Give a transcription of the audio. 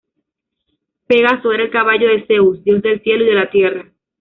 Pegaso era el caballo de Zeus, dios del Cielo y de la Tierra.